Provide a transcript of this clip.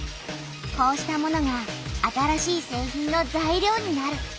こうしたものが新しい製品の材料になる。